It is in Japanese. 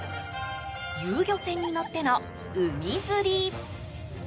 遊漁船に乗っての海釣り。